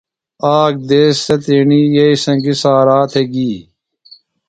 آک دیس سےۡ تیݨیۡیئیئۡی سنگیۡ سارا تھےۡ گی۔